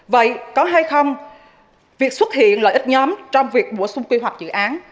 vậy có hay không việc xuất hiện lợi ích nhóm trong việc bổ sung quy hoạch dự án